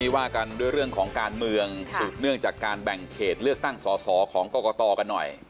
ว่ากันด้วยเรื่องของการเมืองสืบเนื่องจากการแบ่งเขตเลือกตั้งสอสอของกรกตกันหน่อย